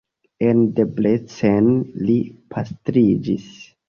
En Debrecen li pastriĝis.